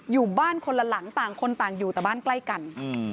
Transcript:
อยู่บ้านคนละหลังต่างคนต่างอยู่แต่บ้านใกล้กัน